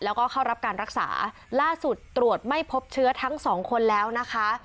แล้วก็เข้ารับการรักษาล่าสุดตรวจไม่พบเชื้อทั้งสองคนแล้วนะคะ